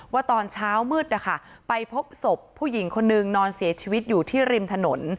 ว่าตอนเช้ามืดนะคะไปพบศพผู้หญิงคนนึงนอนเสียชีวิตอยู่ที่ริมถนน